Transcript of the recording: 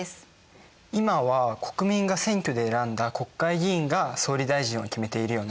今は国民が選挙で選んだ国会議員が総理大臣を決めているよね。